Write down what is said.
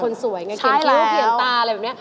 อ๋อคนสวยไงเกิดเกี่ยวเกี่ยวตาอะไรแบบนี้